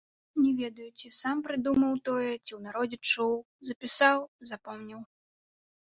Не ведаю, ці сам прыдумаў тое, ці ў народзе чуў, запісаў, запомніў.